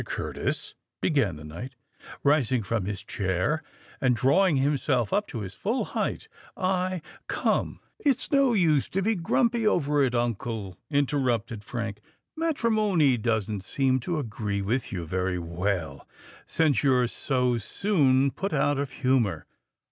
Curtis!" began the knight, rising from his chair, and drawing himself up to his full height, "I——" "Come—it's no use to be grumpy over it, uncle," interrupted Frank. "Matrimony doesn't seem to agree with you very well, since you're so soon put out of humour.